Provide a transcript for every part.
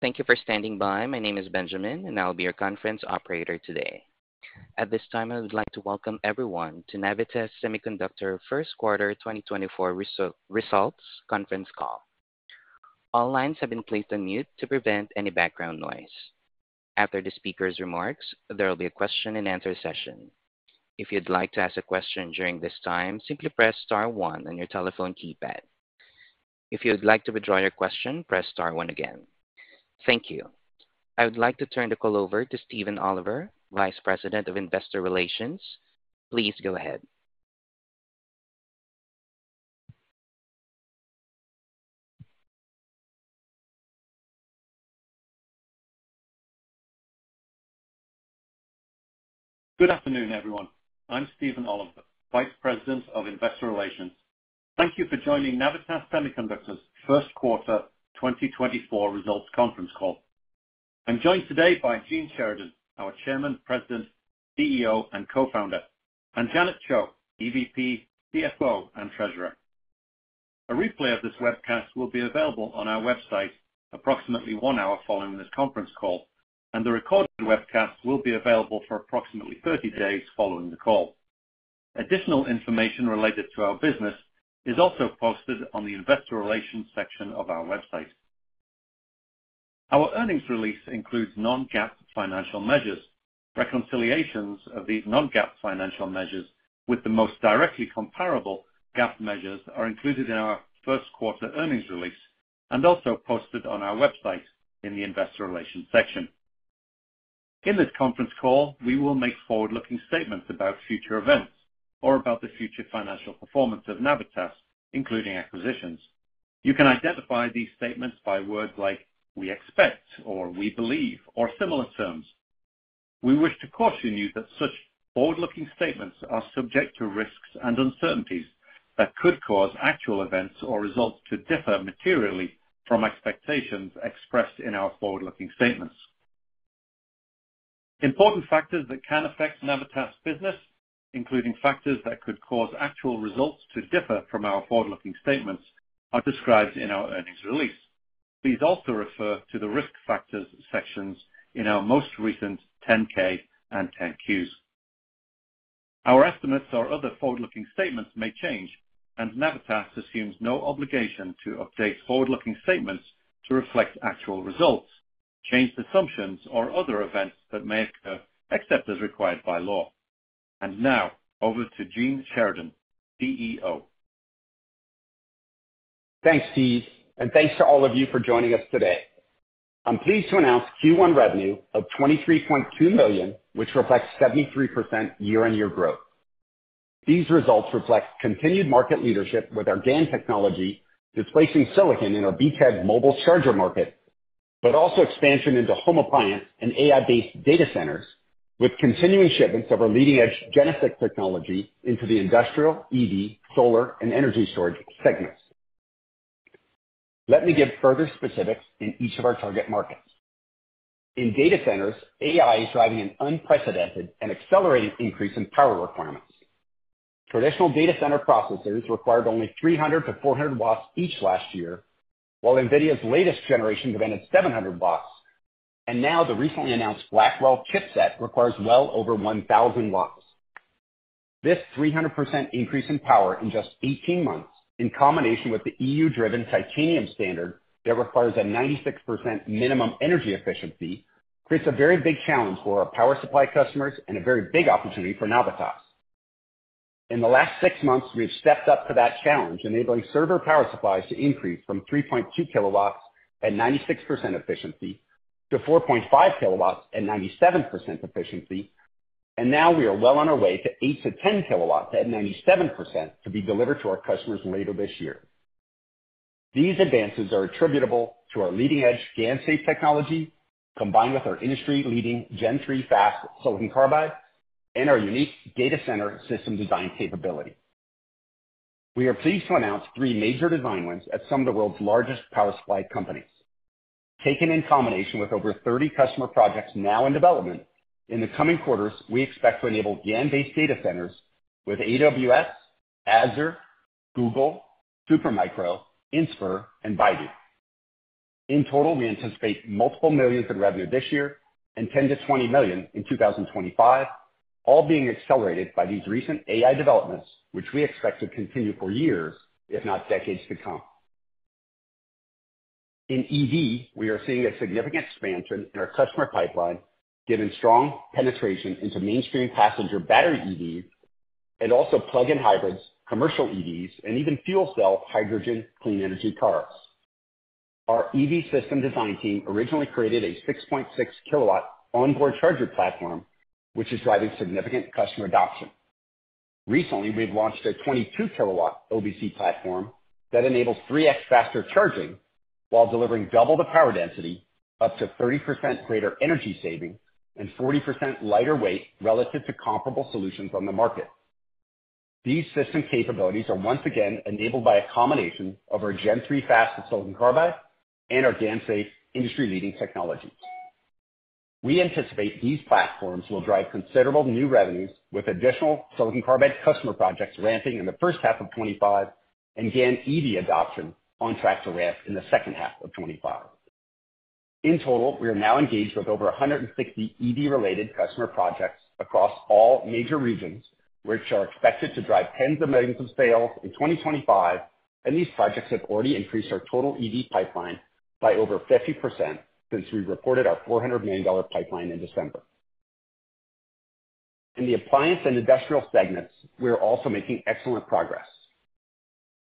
Thank you for standing by. My name is Benjamin, and I'll be your conference operator today. At this time, I would like to welcome everyone to Navitas Semiconductor First Quarter 2024 Results Conference Call. All lines have been placed on mute to prevent any background noise. After the speaker's remarks, there will be a question-and-answer session. If you'd like to ask a question during this time, simply press star 1 on your telephone keypad. If you would like to withdraw your question, press star 1 again. Thank you. I would like to turn the call over to Stephen Oliver, Vice President of Investor Relations. Please go ahead. Good afternoon, everyone. I'm Stephen Oliver, Vice President of Investor Relations. Thank you for joining Navitas Semiconductor's First Quarter 2024 Results Conference Call. I'm joined today by Gene Sheridan, our Chairman, President, CEO, and Co-Founder, and Janet Chou, EVP, CFO, and Treasurer. A replay of this webcast will be available on our website approximately 1 hour following this conference call, and the recorded webcast will be available for approximately 30 days following the call. Additional information related to our business is also posted on the Investor Relations section of our website. Our earnings release includes non-GAAP financial measures. Reconciliations of these non-GAAP financial measures with the most directly comparable GAAP measures are included in our First Quarter earnings release and also posted on our website in the Investor Relations section. In this conference call, we will make forward-looking statements about future events or about the future financial performance of Navitas, including acquisitions. You can identify these statements by words like "we expect," or "we believe," or similar terms. We wish to caution you that such forward-looking statements are subject to risks and uncertainties that could cause actual events or results to differ materially from expectations expressed in our forward-looking statements. Important factors that can affect Navitas' business, including factors that could cause actual results to differ from our forward-looking statements, are described in our earnings release. Please also refer to the risk factors sections in our most recent 10-K and 10-Qs. Our estimates or other forward-looking statements may change, and Navitas assumes no obligation to update forward-looking statements to reflect actual results, change assumptions, or other events that may occur except as required by law. Now, over to Gene Sheridan, CEO. Thanks, Steve, and thanks to all of you for joining us today. I'm pleased to announce Q1 revenue of $23.2 million, which reflects 73% year-on-year growth. These results reflect continued market leadership with our GaN technology displacing silicon in our beachhead mobile charger market, but also expansion into home appliance and AI-based data centers with continuing shipments of our leading-edge GeneSiC technology into the industrial, EV, solar, and energy storage segments. Let me give further specifics in each of our target markets. In data centers, AI is driving an unprecedented and accelerating increase in power requirements. Traditional data center processors required only 300-400 watts each last year, while NVIDIA's latest generation demanded 700 watts, and now the recently announced Blackwell chipset requires well over 1,000 watts. This 300% increase in power in just 18 months, in combination with the EU-driven Titanium standard that requires a 96% minimum energy efficiency, creates a very big challenge for our power supply customers and a very big opportunity for Navitas. In the last six months, we have stepped up to that challenge, enabling server power supplies to increase from 3.2 kilowatts at 96% efficiency to 4.5 kilowatts at 97% efficiency, and now we are well on our way to 8-10 kilowatts at 97% to be delivered to our customers later this year. These advances are attributable to our leading-edge GaNSafe technology, combined with our industry-leading Gen 3 Fast Silicon Carbide and our unique data center system design capability. We are pleased to announce three major design wins at some of the world's largest power supply companies. Taken in combination with over 30 customer projects now in development, in the coming quarters, we expect to enable GaN-based data centers with AWS, Azure, Google, Supermicro, Inspur, and Baidu. In total, we anticipate $ multiple millions in revenue this year and $10 million-$20 million in 2025, all being accelerated by these recent AI developments, which we expect to continue for years, if not decades, to come. In EV, we are seeing a significant expansion in our customer pipeline given strong penetration into mainstream passenger battery EVs and also plug-in hybrids, commercial EVs, and even fuel cell hydrogen clean energy cars. Our EV system design team originally created a 6.6 kW onboard charger platform, which is driving significant customer adoption. Recently, we've launched a 22-kilowatt OBC platform that enables 3x faster charging while delivering double the power density, up to 30% greater energy savings, and 40% lighter weight relative to comparable solutions on the market. These system capabilities are once again enabled by a combination of our Gen 3 Fast Silicon Carbide and our GaNSafe industry-leading technologies. We anticipate these platforms will drive considerable new revenues, with additional Silicon Carbide customer projects ramping in the first half of 2025 and GaN EV adoption on track to ramp in the second half of 2025. In total, we are now engaged with over 160 EV-related customer projects across all major regions, which are expected to drive $tens of millions of sales in 2025, and these projects have already increased our total EV pipeline by over 50% since we reported our $400 million pipeline in December. In the appliance and industrial segments, we're also making excellent progress.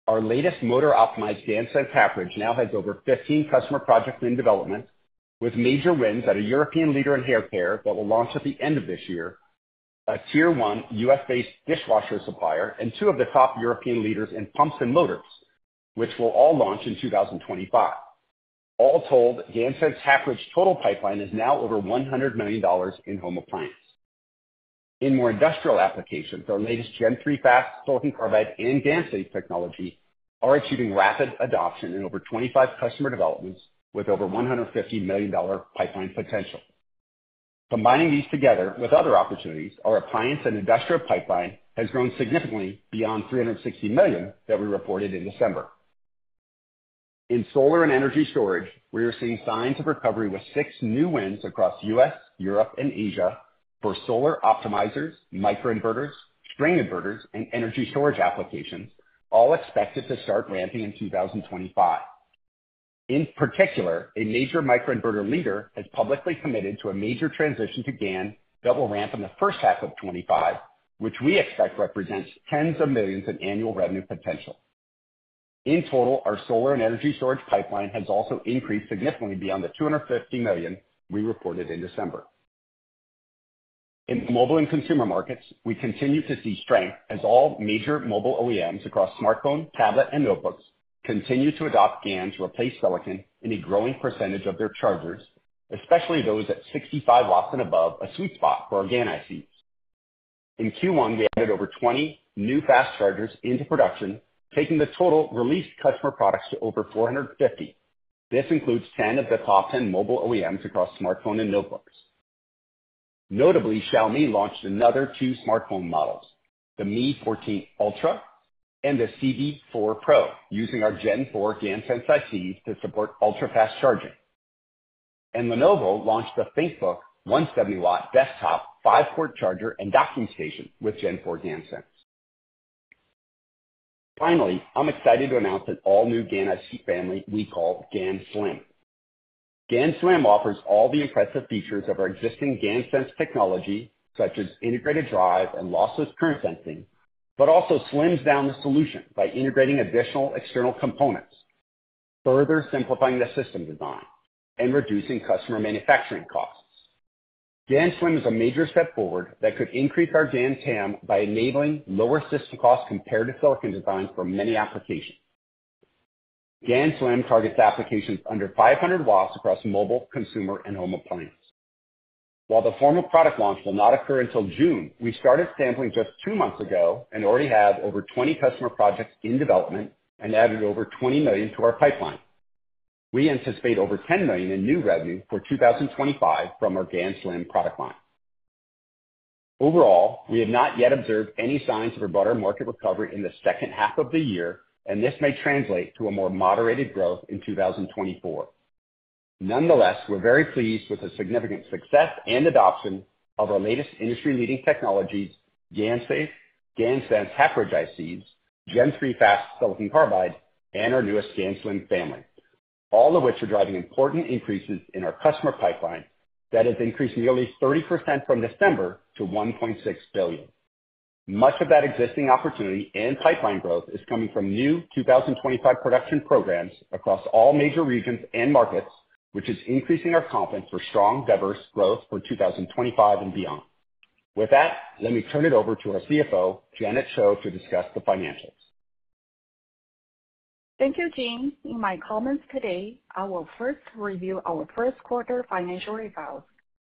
Our latest motor-optimized GaNSense Half-Bridge now has over 15 customer projects in development, with major wins at a European leader in hair care that will launch at the end of this year, a tier-one US-based dishwasher supplier, and two of the top European leaders in pumps and motors, which will all launch in 2025. All told, GaNSense Half-Bridge total pipeline is now over $100 million in home appliance. In more industrial applications, our latest Gen 3 Fast Silicon Carbide and GaNSafe technology are achieving rapid adoption in over 25 customer developments with over $150 million pipeline potential. Combining these together with other opportunities, our appliance and industrial pipeline has grown significantly beyond $360 million that we reported in December. In solar and energy storage, we are seeing signs of recovery with 6 new wins across the U.S., Europe, and Asia for solar optimizers, microinverters, string inverters, and energy storage applications, all expected to start ramping in 2025. In particular, a major microinverter leader has publicly committed to a major transition to GaN that will ramp in the first half of 2025, which we expect represents $tens of millions in annual revenue potential. In total, our solar and energy storage pipeline has also increased significantly beyond the $250 million we reported in December. In mobile and consumer markets, we continue to see strength as all major mobile OEMs across smartphones, tablets, and notebooks continue to adopt GaN to replace silicon in a growing percentage of their chargers, especially those at 65 W and above, a sweet spot for our GaN ICs. In Q1, we added over 20 new fast chargers into production, taking the total released customer products to over 450. This includes 10 of the top 10 mobile OEMs across smartphones and notebooks. Notably, Xiaomi launched another 2 smartphone models, the Mi 14 Ultra and the Civi 4 Pro, using our Gen 4 GaNSense ICs to support ultra-fast charging. Lenovo launched the ThinkBook 170-watt desktop 5-port charger and docking station with Gen 4 GaNSense. Finally, I'm excited to announce an all-new GaN IC family we call GaNSlim. GaNSlim offers all the impressive features of our existing GaNSense technology, such as integrated drive and lossless current sensing, but also slims down the solution by integrating additional external components, further simplifying the system design, and reducing customer manufacturing costs. GaNSlim is a major step forward that could increase our GaN TAM by enabling lower system costs compared to silicon design for many applications. GaNSlim targets applications under 500 watts across mobile, consumer, and home appliance. While the formal product launch will not occur until June, we started sampling just two months ago and already have over 20 customer projects in development and added over $20 million to our pipeline. We anticipate over $10 million in new revenue for 2025 from our GaNSlim product line. Overall, we have not yet observed any signs of a broader market recovery in the second half of the year, and this may translate to a more moderated growth in 2024. Nonetheless, we're very pleased with the significant success and adoption of our latest industry-leading technologies, GaNSafe, GaNSense power ICs, Gen 3 Fast Silicon Carbide, and our newest GaNSlim family, all of which are driving important increases in our customer pipeline that has increased nearly 30% from December to $1.6 billion. Much of that existing opportunity and pipeline growth is coming from new 2025 production programs across all major regions and markets, which is increasing our confidence for strong, diverse growth for 2025 and beyond. With that, let me turn it over to our CFO, Janet Chou, to discuss the financials. Thank you, Gene. In my comments today, I will first review our first quarter financial reports,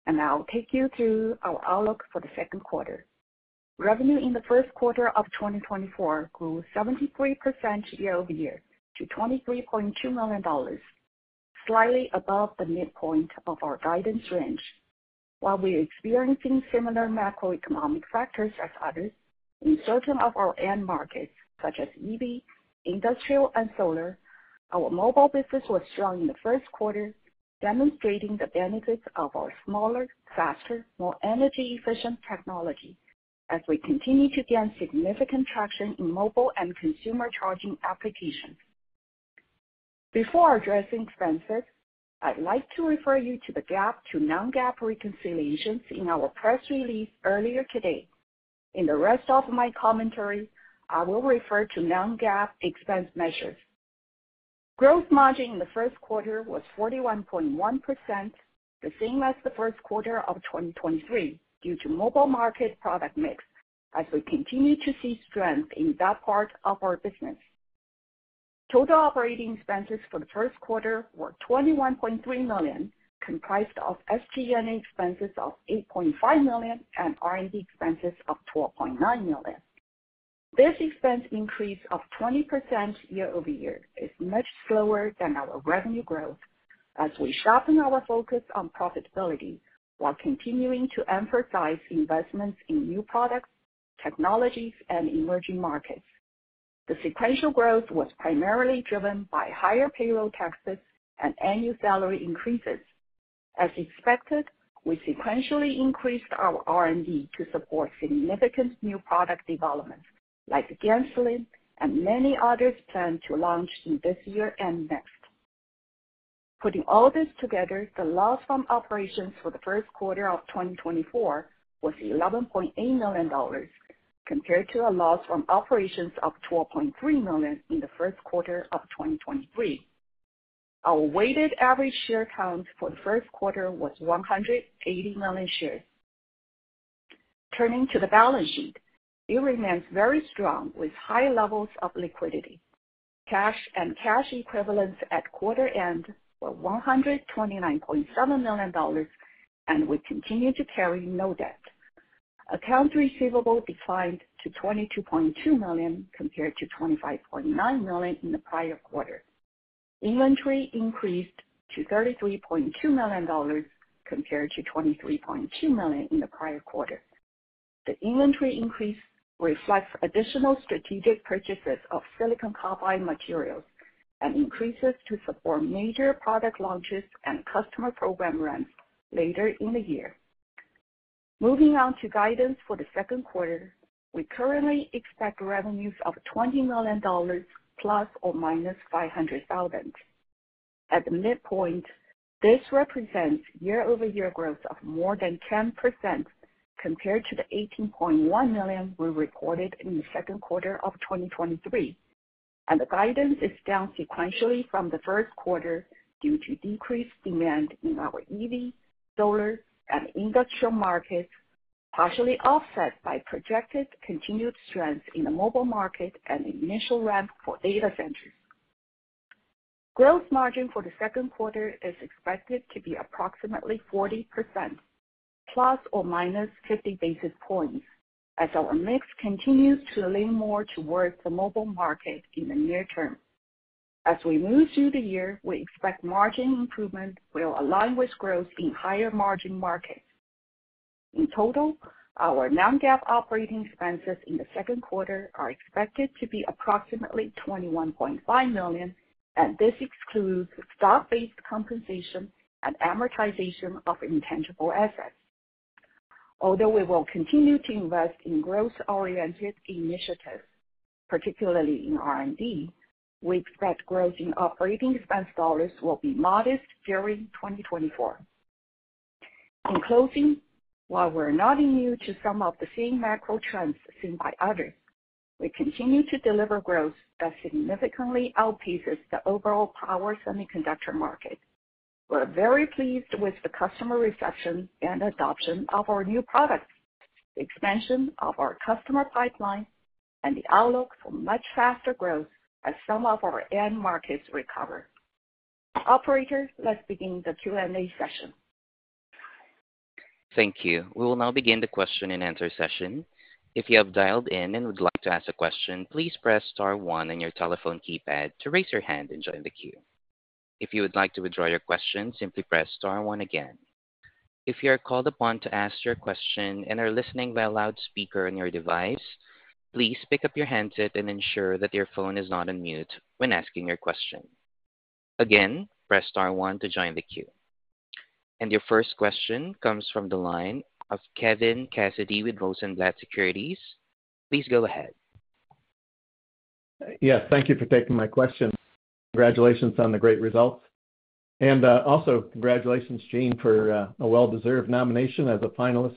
and I'll take you through our outlook for the second quarter. Revenue in the first quarter of 2024 grew 73% year-over-year to $23.2 million, slightly above the midpoint of our guidance range. While we are experiencing similar macroeconomic factors as others in certain of our end markets, such as EV, industrial, and solar, our mobile business was strong in the first quarter, demonstrating the benefits of our smaller, faster, more energy-efficient technology as we continue to gain significant traction in mobile and consumer charging applications. Before addressing expenses, I'd like to refer you to the GAAP to non-GAAP reconciliations in our press release earlier today. In the rest of my commentary, I will refer to non-GAAP expense measures. Gross margin in the first quarter was 41.1%, the same as the first quarter of 2023 due to mobile market product mix as we continue to see strength in that part of our business. Total operating expenses for the first quarter were $21.3 million, comprised of SG&A expenses of $8.5 million and R&D expenses of $12.9 million. This expense increase of 20% year-over-year is much slower than our revenue growth as we sharpen our focus on profitability while continuing to emphasize investments in new products, technologies, and emerging markets. The sequential growth was primarily driven by higher payroll taxes and annual salary increases. As expected, we sequentially increased our R&D to support significant new product developments like GaNSlim and many others planned to launch in this year and next. Putting all this together, the loss from operations for the first quarter of 2024 was $11.8 million compared to a loss from operations of $12.3 million in the first quarter of 2023. Our weighted average share count for the first quarter was 180 million shares. Turning to the balance sheet, it remains very strong with high levels of liquidity. Cash and cash equivalents at quarter end were $129.7 million, and we continue to carry no debt. Accounts receivable declined to $22.2 million compared to $25.9 million in the prior quarter. Inventory increased to $33.2 million compared to $23.2 million in the prior quarter. The inventory increase reflects additional strategic purchases of silicon carbide materials and increases to support major product launches and customer program runs later in the year. Moving on to guidance for the second quarter, we currently expect revenues of $20 million ± $500,000. At the midpoint, this represents year-over-year growth of more than 10% compared to the $18.1 million we reported in the second quarter of 2023, and the guidance is down sequentially from the first quarter due to decreased demand in our EV, solar, and industrial markets, partially offset by projected continued strength in the mobile market and initial ramp for data centers. Gross margin for the second quarter is expected to be approximately 40% ± 50 basis points as our mix continues to lean more towards the mobile market in the near term. As we move through the year, we expect margin improvement will align with growth in higher margin markets. In total, our non-GAAP operating expenses in the second quarter are expected to be approximately $21.5 million, and this excludes stock-based compensation and amortization of intangible assets. Although we will continue to invest in growth-oriented initiatives, particularly in R&D, we expect growth in operating expense dollars will be modest during 2024. In closing, while we're not immune to some of the same macro trends seen by others, we continue to deliver growth that significantly outpaces the overall power semiconductor market. We're very pleased with the customer reception and adoption of our new products, the expansion of our customer pipeline, and the outlook for much faster growth as some of our end markets recover. Operator, let's begin the Q&A session. Thank you. We will now begin the question and answer session. If you have dialed in and would like to ask a question, please press star one on your telephone keypad to raise your hand and join the queue. If you would like to withdraw your question, simply press star one again. If you are called upon to ask your question and are listening via loudspeaker on your device, please pick up your handset and ensure that your phone is not on mute when asking your question. Again, press star one to join the queue. Your first question comes from the line of Kevin Cassidy with Rosenblatt Securities. Please go ahead. Yes, thank you for taking my question. Congratulations on the great results. Also, congratulations, Gene, for a well-deserved nomination as a finalist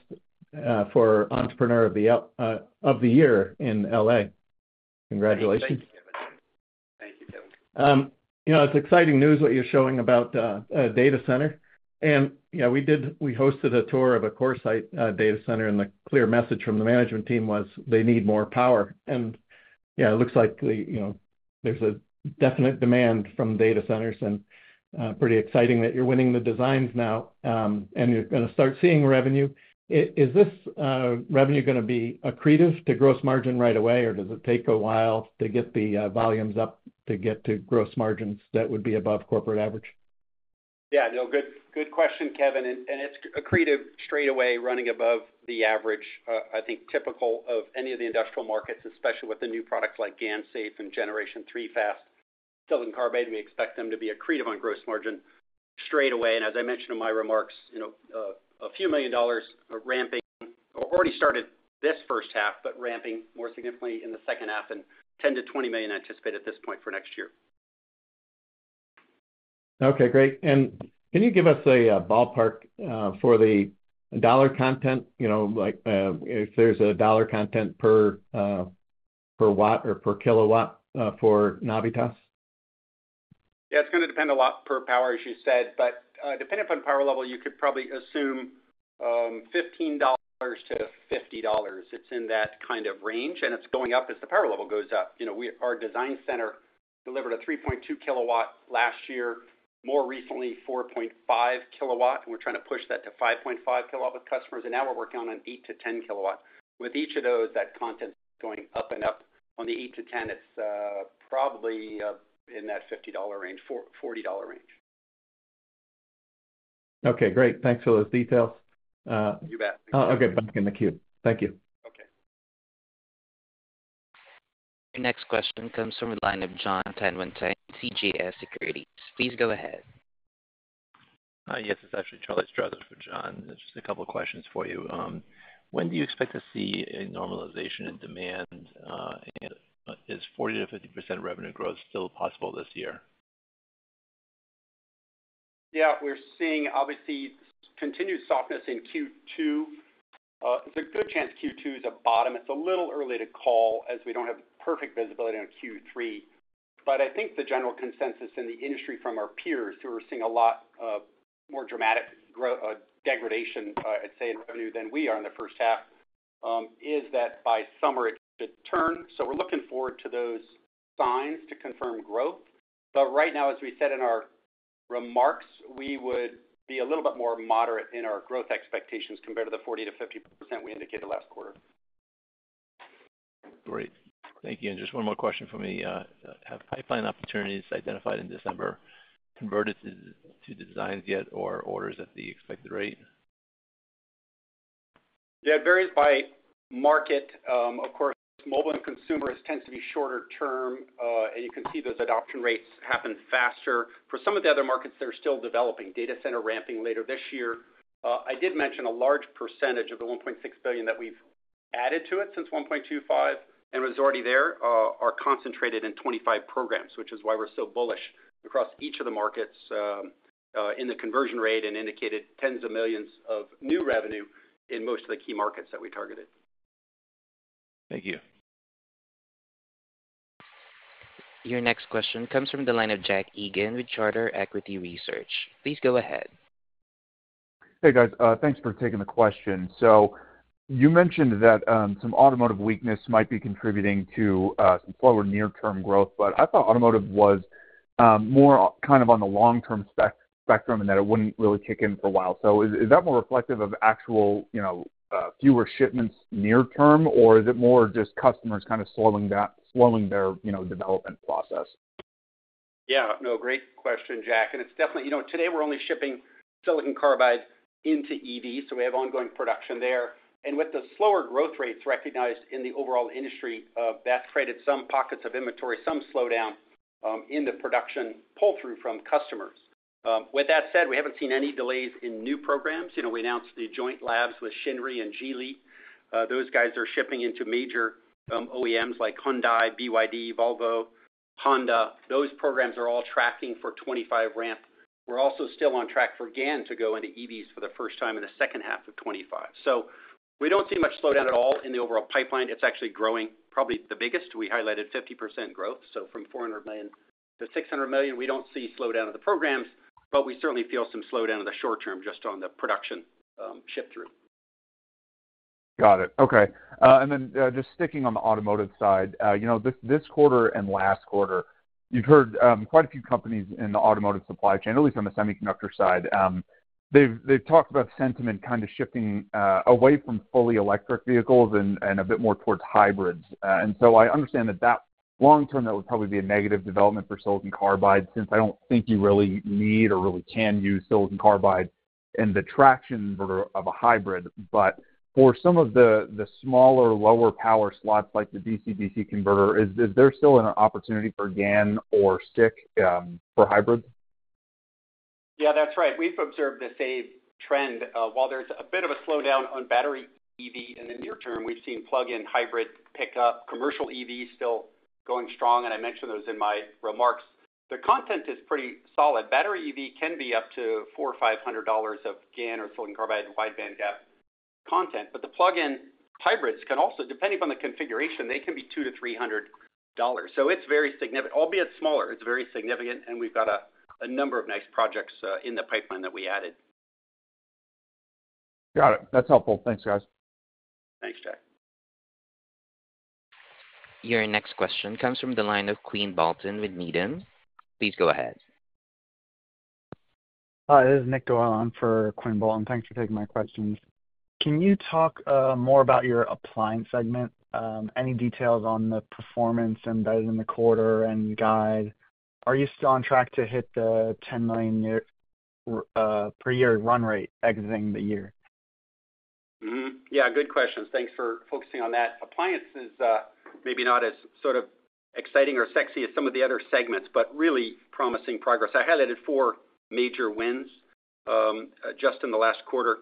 for Entrepreneur of the Year in L.A. Congratulations. Thank you, Kevin. Thank you, Kevin. It's exciting news, what you're showing about a data center. We hosted a tour of a CoreSite data center, and the clear message from the management team was they need more power. It looks like there's a definite demand from data centers, and pretty exciting that you're winning the designs now and you're going to start seeing revenue. Is this revenue going to be accretive to gross margin right away, or does it take a while to get the volumes up to get to gross margins that would be above corporate average? Yeah, good question, Kevin. And it's accretive straight away, running above the average, I think, typical of any of the industrial markets, especially with the new products like GaNSafe and Gen 3 Fast Silicon Carbide. We expect them to be accretive on gross margin straight away. And as I mentioned in my remarks, $ a few million ramping already started this first half, but ramping more significantly in the second half, and $10 million-$20 million anticipated at this point for next year. Okay, great. And can you give us a ballpark for the dollar content? If there's a dollar content per watt or per kilowatt for Navitas? Yeah, it's going to depend a lot per power, as you said. But depending upon power level, you could probably assume $15-$50. It's in that kind of range, and it's going up as the power level goes up. Our design center delivered a 3.2 kW last year, more recently 4.5 kW, and we're trying to push that to 5.5 kW with customers. And now we're working on an 8-10 kW. With each of those, that content's going up and up. On the 8-10, it's probably in that $50 range, $40 range. Okay, great. Thanks for those details. You bet. Okay, back in the queue. Thank you. Okay. Next question comes from the line of John Tanwanteng, CJS Securities. Please go ahead. Yes, it's actually Charles Strauzer for John. Just a couple of questions for you. When do you expect to see a normalization in demand, and is 40%-50% revenue growth still possible this year? Yeah, we're seeing, obviously, continued softness in Q2. There's a good chance Q2 is a bottom. It's a little early to call as we don't have perfect visibility on Q3. But I think the general consensus in the industry from our peers who are seeing a lot more dramatic degradation, I'd say, in revenue than we are in the first half is that by summer, it should turn. So we're looking forward to those signs to confirm growth. But right now, as we said in our remarks, we would be a little bit more moderate in our growth expectations compared to the 40%-50% we indicated last quarter. Great. Thank you. Just one more question for me. Have pipeline opportunities identified in December converted to designs yet or orders at the expected rate? Yeah, it varies by market. Of course, mobile and consumer tends to be shorter term, and you can see those adoption rates happen faster. For some of the other markets, they're still developing. Data center ramping later this year. I did mention a large percentage of the $1.6 billion that we've added to it since $1.25 billion, and it was already there, are concentrated in 25 programs, which is why we're so bullish across each of the markets in the conversion rate and indicated tens of millions of dollars in new revenue in most of the key markets that we targeted. Thank you. Your next question comes from the line of Jack Egan with Charter Equity Research. Please go ahead. Hey, guys. Thanks for taking the question. So you mentioned that some automotive weakness might be contributing to some slower near-term growth, but I thought automotive was more kind of on the long-term spectrum and that it wouldn't really kick in for a while. So is that more reflective of actual fewer shipments near term, or is it more just customers kind of slowing their development process? Yeah, no, great question, Jack. And it's definitely today, we're only shipping silicon carbide into EV, so we have ongoing production there. And with the slower growth rates recognized in the overall industry, that's created some pockets of inventory, some slowdown in the production pull-through from customers. With that said, we haven't seen any delays in new programs. We announced the joint labs with Shinry and Geely. Those guys are shipping into major OEMs like Hyundai, BYD, Volvo, Honda. Those programs are all tracking for 2025 ramp. We're also still on track for GaN to go into EVs for the first time in the second half of 2025. So we don't see much slowdown at all in the overall pipeline. It's actually growing, probably the biggest. We highlighted 50% growth. From $400 million-$600 million, we don't see slowdown of the programs, but we certainly feel some slowdown in the short term just on the production ship-through. Got it. Okay. And then just sticking on the automotive side, this quarter and last quarter, you've heard quite a few companies in the automotive supply chain, at least on the semiconductor side, they've talked about sentiment kind of shifting away from fully electric vehicles and a bit more towards hybrids. And so I understand that long-term, that would probably be a negative development for silicon carbide since I don't think you really need or really can use silicon carbide in the traction of a hybrid. But for some of the smaller, lower-power slots like the DC-DC converter, is there still an opportunity for GaN or SiC for hybrids? Yeah, that's right. We've observed the same trend. While there's a bit of a slowdown on battery EV in the near term, we've seen plug-in hybrid pick up, commercial EVs still going strong, and I mentioned those in my remarks. The content is pretty solid. Battery EV can be up to $400 or $500 of GaN or silicon carbide wide bandgap content. But the plug-in hybrids can also, depending upon the configuration, they can be $200-$300. So it's very significant. Albeit smaller, it's very significant, and we've got a number of nice projects in the pipeline that we added. Got it. That's helpful. Thanks, guys. Thanks, Jack. Your next question comes from the line of Quinn Bolton with Needham. Please go ahead. Hi, this is Nick Doyle for Quinn Bolton. Thanks for taking my questions. Can you talk more about your appliance segment? Any details on the performance embedded in the quarter and guide? Are you still on track to hit the $10 million per year run rate exiting the year? Yeah, good questions. Thanks for focusing on that. Appliance is maybe not as sort of exciting or sexy as some of the other segments, but really promising progress. I highlighted four major wins just in the last quarter,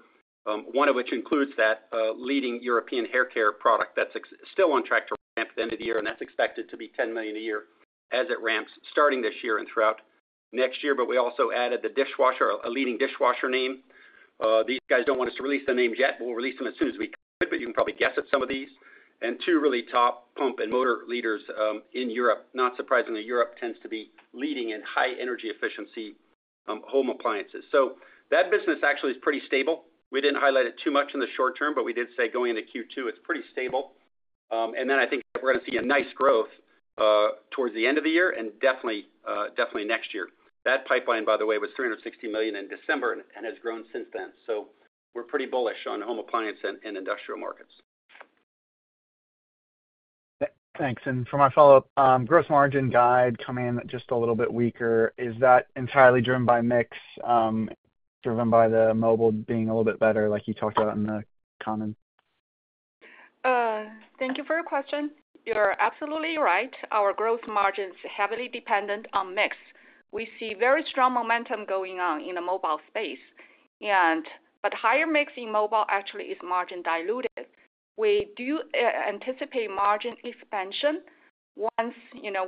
one of which includes that leading European hair care product that's still on track to ramp at the end of the year, and that's expected to be 10 million a year as it ramps starting this year and throughout next year. But we also added the dishwasher, a leading dishwasher name. These guys don't want us to release their names yet, but we'll release them as soon as we could, but you can probably guess at some of these. And two really top pump and motor leaders in Europe. Not surprisingly, Europe tends to be leading in high-energy efficiency home appliances. So that business actually is pretty stable. We didn't highlight it too much in the short term, but we did say going into Q2, it's pretty stable. And then I think that we're going to see a nice growth towards the end of the year and definitely next year. That pipeline, by the way, was $360 million in December and has grown since then. So we're pretty bullish on home appliance and industrial markets. Thanks. And for my follow-up, gross margin guide coming in just a little bit weaker. Is that entirely driven by mix, driven by the mobile being a little bit better, like you talked about in the comments? Thank you for your question. You're absolutely right. Our gross margin is heavily dependent on mix. We see very strong momentum going on in the mobile space, but higher mix in mobile actually is margin diluted. We do anticipate margin expansion once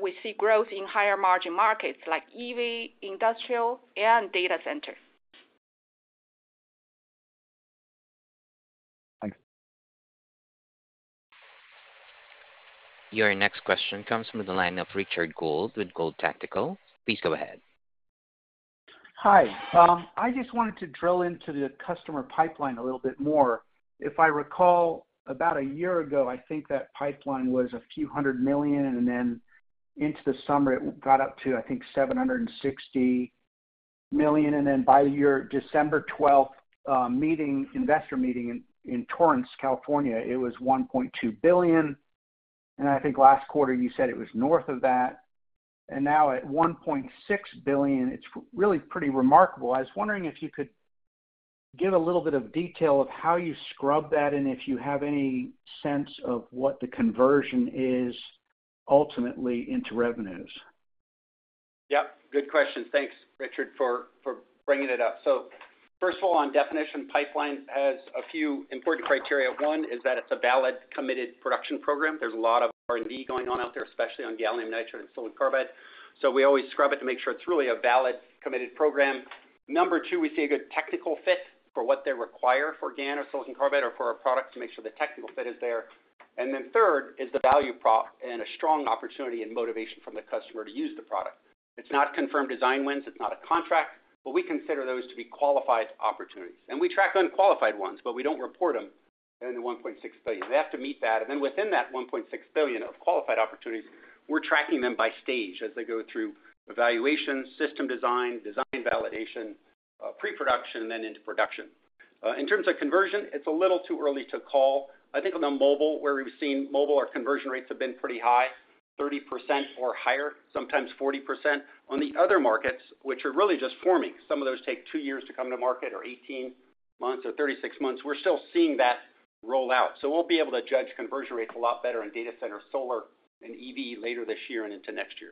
we see growth in higher margin markets like EV, industrial, and data centers. Thanks. Your next question comes from the line of Rick Schafer with Oppenheimer. Please go ahead. Hi. I just wanted to drill into the customer pipeline a little bit more. If I recall, about a year ago, I think that pipeline was $a few hundred million, and then into the summer, it got up to, I think, $760 million. And then by December 12th investor meeting in Torrance, California, it was $1.2 billion. And I think last quarter, you said it was north of that. And now at $1.6 billion, it's really pretty remarkable. I was wondering if you could give a little bit of detail of how you scrub that and if you have any sense of what the conversion is ultimately into revenues? Yep, good question. Thanks, Richard, for bringing it up. So first of all, on definition, pipeline has a few important criteria. One is that it's a valid, committed production program. There's a lot of R&D going on out there, especially on gallium nitride and silicon carbide. So we always scrub it to make sure it's really a valid, committed program. Number two, we see a good technical fit for what they require for GaN or silicon carbide or for our products to make sure the technical fit is there. And then third is the value prop and a strong opportunity and motivation from the customer to use the product. It's not confirmed design wins. It's not a contract. But we consider those to be qualified opportunities. And we track unqualified ones, but we don't report them in the $1.6 billion. They have to meet that. Then within that $1.6 billion of qualified opportunities, we're tracking them by stage as they go through evaluation, system design, design validation, pre-production, and then into production. In terms of conversion, it's a little too early to call. I think on the mobile, where we've seen mobile, our conversion rates have been pretty high, 30% or higher, sometimes 40%. On the other markets, which are really just forming, some of those take 2 years to come to market or 18 months or 36 months, we're still seeing that roll out. We'll be able to judge conversion rates a lot better in data center, solar, and EV later this year and into next year.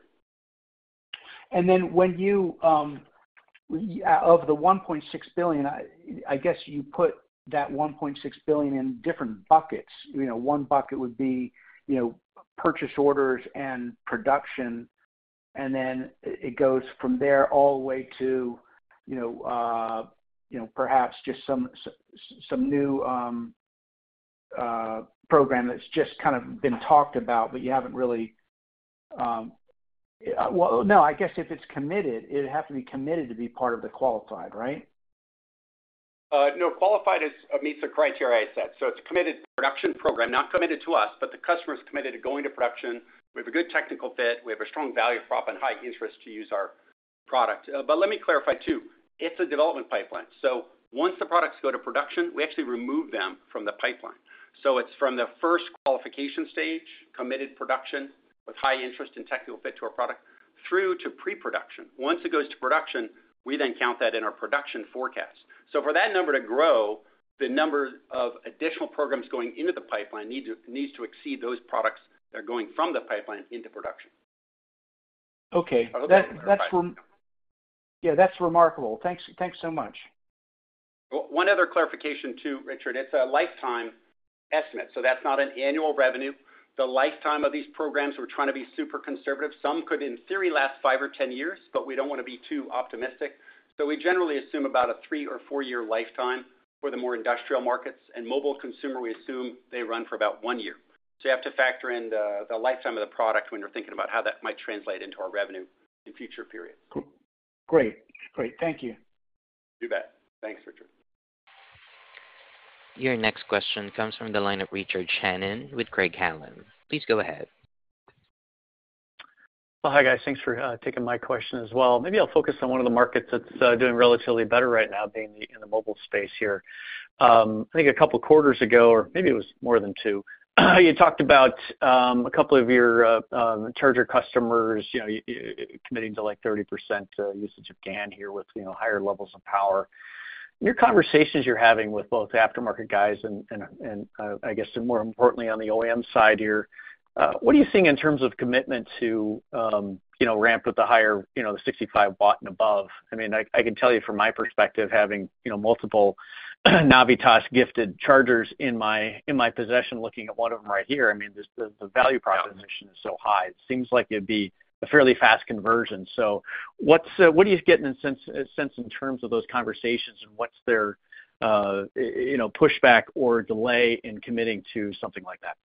And then when you think of the $1.6 billion, I guess you put that $1.6 billion in different buckets. One bucket would be purchase orders and production, and then it goes from there all the way to perhaps just some new program that's just kind of been talked about, but you haven't really—well, no, I guess if it's committed, it'd have to be committed to be part of the qualified, right? No, qualified meets the criteria I set. So it's a committed production program, not committed to us, but the customer is committed to going to production. We have a good technical fit. We have a strong value prop and high interest to use our product. But let me clarify too. It's a development pipeline. So once the products go to production, we actually remove them from the pipeline. So it's from the first qualification stage, committed production with high interest and technical fit to our product, through to pre-production. Once it goes to production, we then count that in our production forecast. So for that number to grow, the number of additional programs going into the pipeline needs to exceed those products that are going from the pipeline into production. Okay. Yeah, that's remarkable. Thanks so much. One other clarification too, Richard. It's a lifetime estimate. So that's not an annual revenue. The lifetime of these programs, we're trying to be super conservative. Some could, in theory, last five or 10 years, but we don't want to be too optimistic. So we generally assume about a three- or four-year lifetime for the more industrial markets. And mobile consumer, we assume they run for about one year. So you have to factor in the lifetime of the product when you're thinking about how that might translate into our revenue in future periods. Great. Great. Thank you. You bet. Thanks, Richard. Your next question comes from the line of Richard Shannon with Craig-Hallum. Please go ahead. Well, hi, guys. Thanks for taking my question as well. Maybe I'll focus on one of the markets that's doing relatively better right now, being in the mobile space here. I think a couple of quarters ago, or maybe it was more than two, you talked about a couple of your charger customers committing to 30% usage of GaN here with higher levels of power. In your conversations you're having with both aftermarket guys and, I guess, more importantly, on the OEM side here, what are you seeing in terms of commitment to ramp with the 65-watt and above? I mean, I can tell you from my perspective, having multiple Navitas gifted chargers in my possession, looking at one of them right here, I mean, the value proposition is so high. It seems like it'd be a fairly fast conversion. What are you getting a sense in terms of those conversations, and what's their pushback or delay in committing to something like that?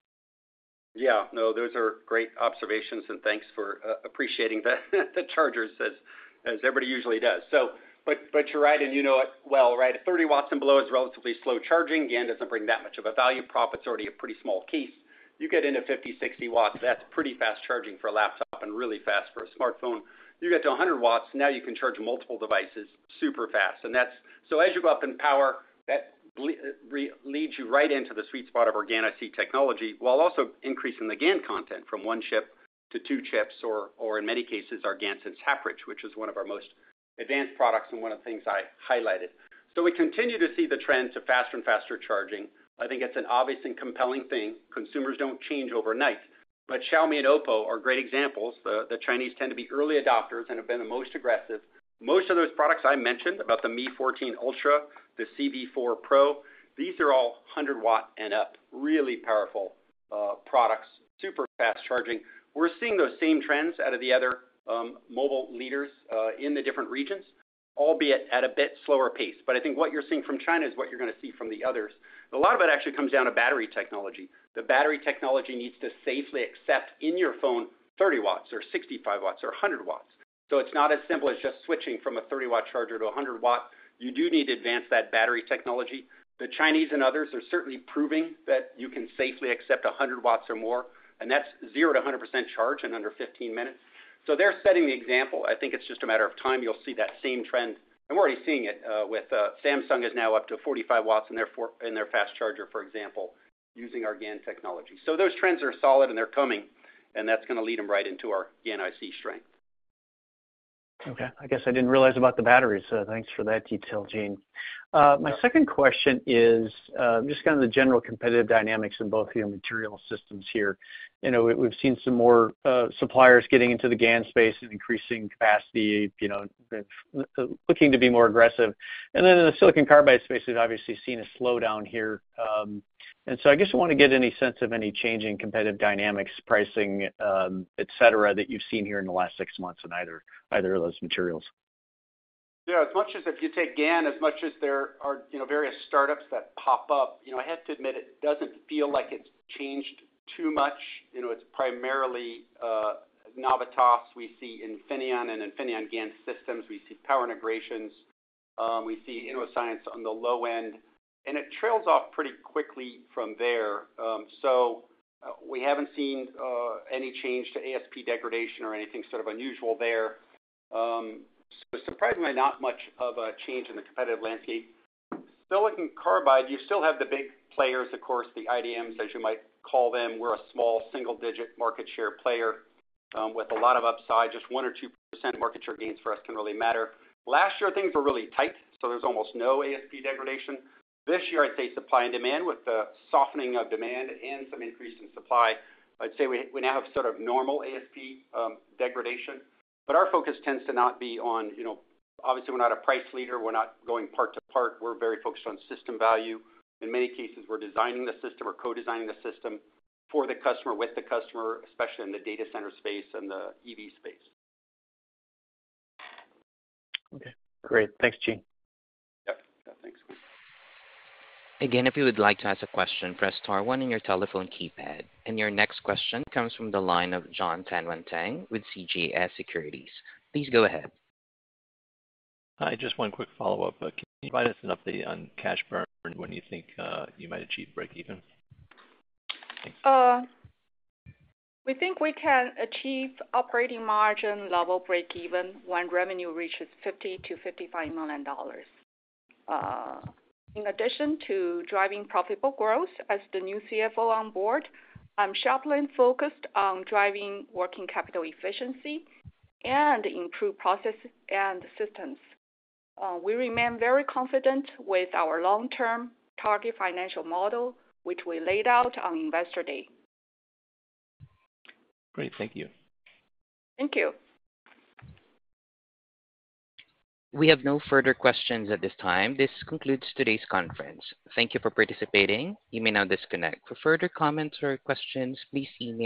Yeah, no, those are great observations, and thanks for appreciating the chargers, as everybody usually does. But you're right, and you know it well, right? 30 watts and below is relatively slow charging. GaN doesn't bring that much of a value prop. It's already a pretty small case. You get into 50, 60 watts. That's pretty fast charging for a laptop and really fast for a smartphone. You get to 100 watts. Now you can charge multiple devices super fast. And so as you go up in power, that leads you right into the sweet spot of GaN IC technology while also increasing the GaN content from one chip to two chips or, in many cases, our GaNSense Half-Bridge, which is one of our most advanced products and one of the things I highlighted. So we continue to see the trend to faster and faster charging. I think it's an obvious and compelling thing. Consumers don't change overnight. But Xiaomi and Oppo are great examples. The Chinese tend to be early adopters and have been the most aggressive. Most of those products I mentioned about the Mi 14 Ultra, the Civi 4 Pro, these are all 100-watt and up, really powerful products, super fast charging. We're seeing those same trends out of the other mobile leaders in the different regions, albeit at a bit slower pace. But I think what you're seeing from China is what you're going to see from the others. A lot of it actually comes down to battery technology. The battery technology needs to safely accept in your phone 30 watts or 65 watts or 100 watts. So it's not as simple as just switching from a 30-watt charger to 100 watts. You do need to advance that battery technology. The Chinese and others, they're certainly proving that you can safely accept 100 watts or more, and that's 0%-100% charge in under 15 minutes. So they're setting the example. I think it's just a matter of time. You'll see that same trend. We're already seeing it with Samsung is now up to 45 watts in their fast charger, for example, using our GaN technology. So those trends are solid, and they're coming, and that's going to lead them right into our GaN IC strength. Okay. I guess I didn't realize about the batteries. Thanks for that detail, Gene. My second question is just kind of the general competitive dynamics in both of your material systems here. We've seen some more suppliers getting into the GaN space and increasing capacity, looking to be more aggressive. And then in the silicon carbide space, we've obviously seen a slowdown here. And so I guess I want to get any sense of any changing competitive dynamics, pricing, etc., that you've seen here in the last six months in either of those materials? Yeah, as much as if you take GaN, as much as there are various startups that pop up, I have to admit it doesn't feel like it's changed too much. It's primarily Navitas. We see Infineon and Infineon GaN Systems. We see Power Integrations. We see Innoscience on the low end. And it trails off pretty quickly from there. So we haven't seen any change to ASP degradation or anything sort of unusual there. So surprisingly, not much of a change in the competitive landscape. Silicon carbide, you still have the big players, of course, the IDMs, as you might call them. We're a small single-digit market share player with a lot of upside. Just 1% or 2% market share gains for us can really matter. Last year, things were really tight, so there's almost no ASP degradation. This year, I'd say, supply and demand with the softening of demand and some increase in supply. I'd say we now have sort of normal ASP degradation. But our focus tends to not be on, obviously, we're not a price leader. We're not going part to part. We're very focused on system value. In many cases, we're designing the system or co-designing the system for the customer, with the customer, especially in the data center space and the EV space. Okay. Great. Thanks, Gene. Yep. Yeah, thanks. Again, if you would like to ask a question, press star one in your telephone keypad. Your next question comes from the line of John Tanwanteng with CJS Securities. Please go ahead. Hi, just one quick follow-up. Can you provide us an update on cash burn when you think you might achieve break-even? Thanks. We think we can achieve operating margin-level break-even when revenue reaches $50 million-$55 million. In addition to driving profitable growth as the new CFO on board, I'm sharply focused on driving working capital efficiency and improved processes and systems. We remain very confident with our long-term target financial model, which we laid out on Investor Day. Great. Thank you. Thank you. We have no further questions at this time. This concludes today's conference. Thank you for participating. You may now disconnect. For further comments or questions, please email.